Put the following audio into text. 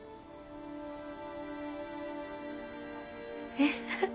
えっ？